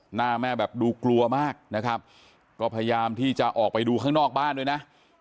หน้าแม่แบบดูกลัวมากนะครับก็พยายามที่จะออกไปดูข้างนอกบ้านด้วยนะ